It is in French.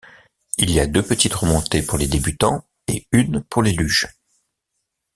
Il y a deux petites remontées pour les débutants et une pour les luges.